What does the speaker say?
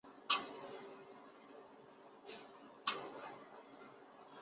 这是他职业生涯的巅峰时期。